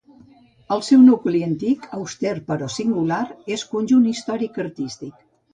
El seu nucli antic, auster però singular, és conjunt històric artístic.